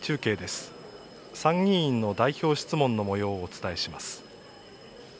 参議院の代表質問のもようをお伝えします。